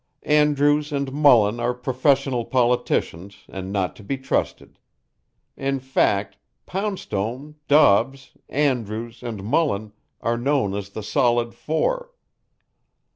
Andrews and Mullin are professional politicians and not to be trusted. In fact, Poundstone, Dobbs, Andrews, and Mullin are known as the Solid Four.